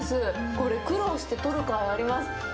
これ苦労して取るかいあります。